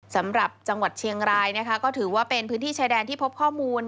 สำหรับจังหวัดเชียงรายนะคะก็ถือว่าเป็นพื้นที่ชายแดนที่พบข้อมูล